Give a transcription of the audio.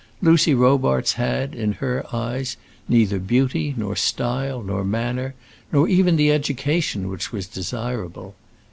Lucy Robarts had, in her eyes, neither beauty, nor style, nor manner, nor even the education which was desirable.